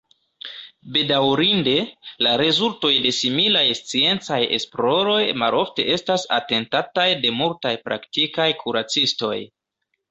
Bedaŭrinde, la rezultoj de similaj sciencaj esploroj malofte estas atentataj de multaj praktikaj kuracistoj.